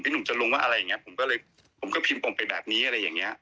หนุ่มจะลงว่าอะไรอย่างเงี้ผมก็เลยผมก็พิมพ์ผมไปแบบนี้อะไรอย่างเงี้ย